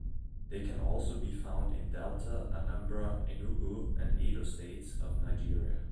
They can also be found in Delta, Anambra, Enugu and Edo States of Nigeria.